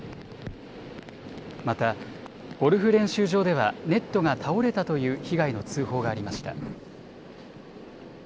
また、ゴルフ練習場ではネットが倒れたという被害の通報がありました。